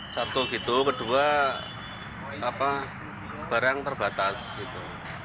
satu gitu kedua barang terbatas gitu